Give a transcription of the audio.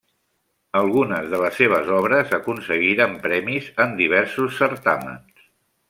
Algunes de les seves obres aconseguiren premis en diversos certàmens.